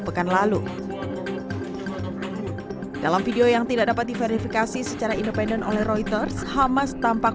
pekan lalu dalam video yang tidak dapat diverifikasi secara independen oleh reuters hamas tampak